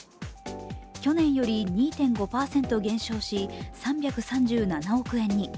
去年より２．５％減少し、３３７億円に。